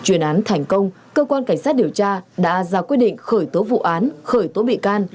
chuyên án thành công cơ quan cảnh sát điều tra đã ra quyết định khởi tố vụ án khởi tố bị can